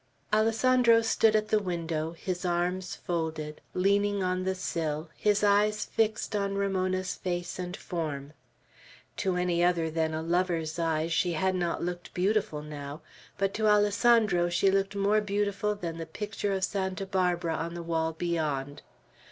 Alessandro stood at the window, his arms folded, leaning on the sill, his eyes fixed on Ramona's face and form. To any other than a lover's eyes she had not looked beautiful now; but to Alessandro she looked more beautiful than the picture of Santa Barbara on the wall beyond.